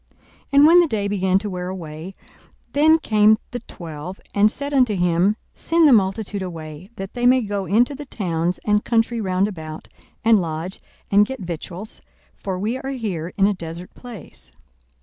42:009:012 And when the day began to wear away, then came the twelve, and said unto him, Send the multitude away, that they may go into the towns and country round about, and lodge, and get victuals: for we are here in a desert place.